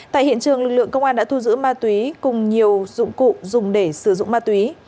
tại hiện trường lực lượng công an đã thu giữ ma túy cùng nhiều dụng cụ dùng để sử dụng ma túy